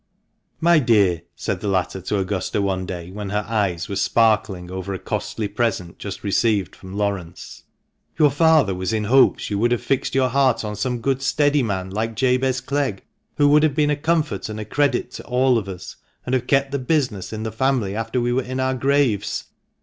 "My dear," said the latter to Augusta one day, when her eyes were sparkling over a costly present just received from Laurence, "your father was in hopes you would have fixed your heart on some good steady man like Jabez Clegg, who would have been a comfort and a credit to all of us, and have kept the business in the family after we were in our graves."